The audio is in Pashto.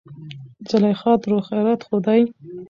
زليخاترور : خېرت خو دى.